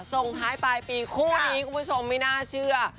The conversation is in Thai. ส่งท้ายปลายปีคู่นี้คุณผู้ชมไม่น่าเชื่อ